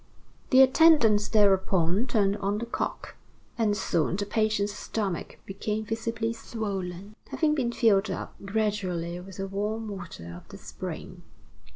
The attendant thereupon turned on the cock, and soon the patient's stomach became visibly swollen, having been filled up gradually with the warm water of the spring.